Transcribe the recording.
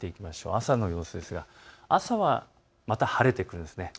朝の様子ですが朝はまた晴れてくるんです。